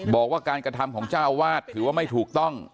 บอกว่าการกระทำของเจ้าอาวาสถือว่าไม่ถูกต้อง